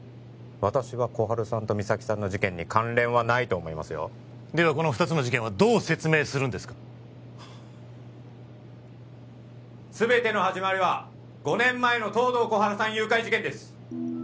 私は心春さんと実咲さんの事件に関連はないと思いますよではこの二つの事件はどう説明するんですかすべての始まりは５年前の東堂心春さん誘拐事件です！